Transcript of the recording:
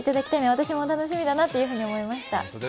私も楽しみだなと思いました。